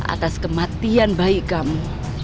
atas kematian bayi kamu